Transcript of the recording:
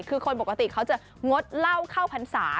คือคนปกติเขาจะงดเหล้าเข้าพรรษา